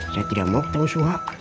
saya tidak mau ketemu suha